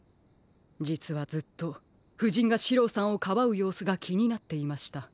じつはずっとふじんがシローさんをかばうようすがきになっていました。